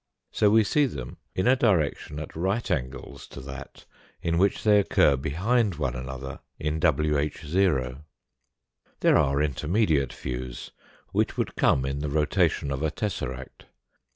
So we see them in a direction at right angles to that in which they occur behind one another in wh . There are intermediate vi^ews, which would come in the rotation of a tesseract.